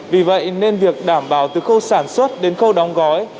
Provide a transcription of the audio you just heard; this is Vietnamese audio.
vì vậy nên việc đảm bảo từ khâu sản xuất đến khâu đóng gói